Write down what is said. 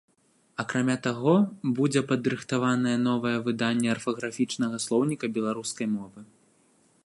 Акрамя таго, будзе падрыхтаванае новае выданне арфаграфічнага слоўніка беларускай мовы.